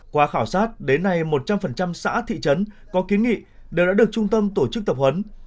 qua khảo sát đến nay một trăm linh xã thị trấn có kiến nghị đều đã được trung tâm tổ chức tập huấn